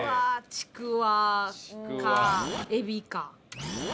ちくわかえびか。